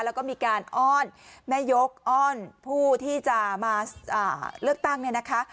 แล้วก็มีการอ้อนแม่ยกอ้อนผู้ที่จะมาเลือกตั้งเนี่ยนะคะ